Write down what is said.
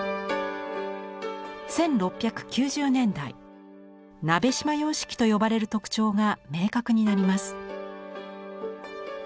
１６９０年代鍋島様式と呼ばれる特徴が明確になります。